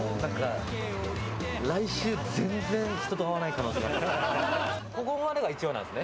来週、全然人と会わない可能性があるね。